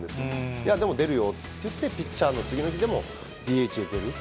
いや、でも出るよって言って、ピッチャーの次の日でもＤＨで出る。